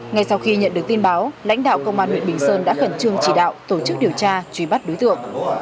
ngay sau khi nhận được tin báo lãnh đạo công an huyện bình sơn đã khẩn trương chỉ đạo tổ chức điều tra truy bắt đối tượng